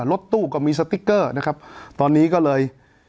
รถตู้ก็มีสติ๊กเกอร์นะครับตอนนี้ก็เลย